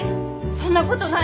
そんなことない！